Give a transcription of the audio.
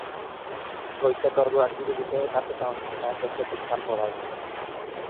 Goizeko orduak dirudite eta protagonistak etxetik kanpo daude.